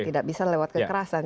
tidak bisa lewat kekerasan